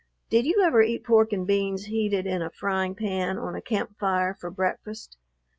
Did you ever eat pork and beans heated in a frying pan on a camp fire for breakfast?